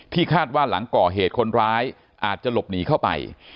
คาดว่าหลังก่อเหตุคนร้ายอาจจะหลบหนีเข้าไป